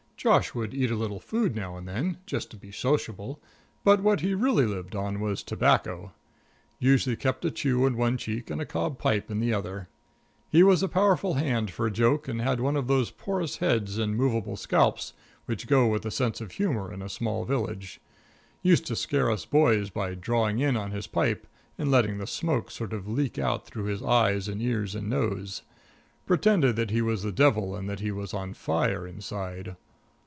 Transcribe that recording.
Josh would eat a little food now and then, just to be sociable, but what he really lived on was tobacco. Usually kept a chew in one cheek and a cob pipe in the other. He was a powerful hand for a joke and had one of those porous heads and movable scalps which go with a sense of humor in a small village. Used to scare us boys by drawing in on his pipe and letting the smoke sort of leak out through his eyes and ears and nose. Pretended that he was the devil and that he was on fire inside.